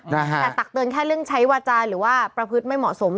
แต่ตักเตือนแค่เรื่องใช้วาจาหรือว่าประพฤติไม่เหมาะสม